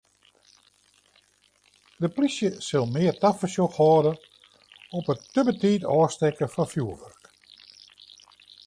De plysje sil mear tafersjoch hâlde op it te betiid ôfstekken fan fjoerwurk.